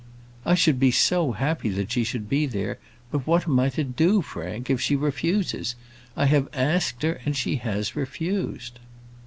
"I should be so happy that she should be there; but what am I to do, Frank, if she refuses? I have asked her, and she has refused."